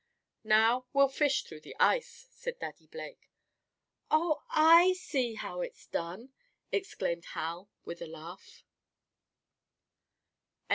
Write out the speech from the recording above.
"Now we'll fish through the ice!" said Daddy Blake. "Oh, I see how it's done!" exclaimed Hal with a laugh.